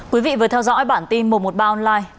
quý vị vừa theo dõi bản tin một trăm một mươi ba online